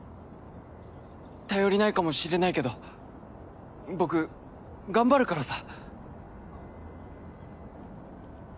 頼りないかもしれないけど僕頑張るからさ。